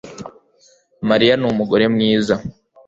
Mariya numugore mwiza